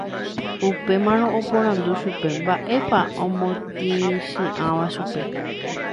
Upémarõ aporandu chupe mba'épa omotĩchiãva chupe